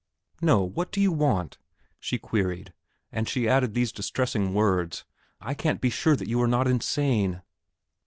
"No;... what do you want?" she queried, and she added these distressing words, "I can't be sure that you are not insane!"